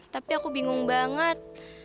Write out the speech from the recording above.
tapi aku bingung banget